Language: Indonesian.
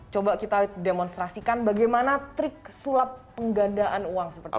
coba kita demonstrasikan bagaimana trik sulap penggandaan uang seperti ini